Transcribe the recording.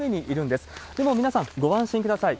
でも皆さん、ご安心ください。